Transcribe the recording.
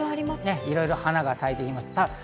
いろんな花が咲いています。